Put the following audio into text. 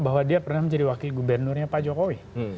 bahwa dia pernah menjadi wakil gubernurnya pak jokowi